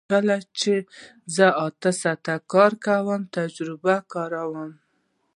کله چې زه اته ساعته کار کوم تجربه کاروم